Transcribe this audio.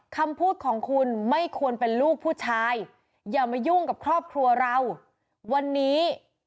คำพูดของคุณไม่ควรเป็นลูกผู้ชายอย่ามายุ่งกับครอบครัวเราวันนี้